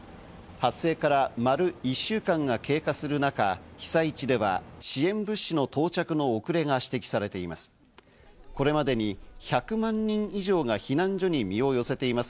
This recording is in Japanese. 発生から丸１週間が経過する中、被災地では支援物資の到着の遅れが指摘されています。